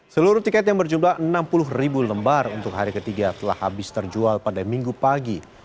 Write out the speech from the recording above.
seluruh tiket yang berjumlah enam puluh ribu lembar untuk hari ketiga telah habis terjual pada minggu pagi